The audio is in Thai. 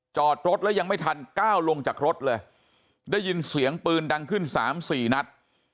จอดรถแล้วยังไม่ทันก้าวลงจากรถเลยได้ยินเสียงปืนดังขึ้นสามสี่นัด